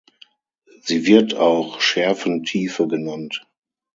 Sie wird auch Schärfentiefe genannt.